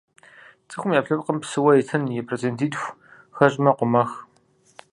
Цӏыхум и ӏэпкълъэпкъым псыуэ итым и процентитху хэщӏмэ къомэх.